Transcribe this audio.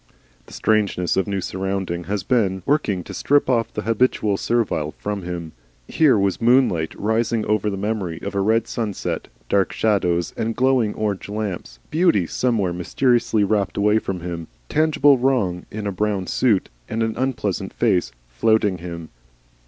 The strangeness of new surroundings has been working to strip off the habitual servile from him. Here was moonlight rising over the memory of a red sunset, dark shadows and glowing orange lamps, beauty somewhere mysteriously rapt away from him, tangible wrong in a brown suit and an unpleasant face, flouting him.